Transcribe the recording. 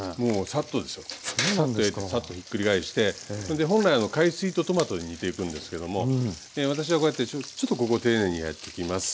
さっと焼いてさっとひっくり返してそれで本来海水とトマトで煮ていくんですけども私はこうやってちょっとここ丁寧にやっていきます。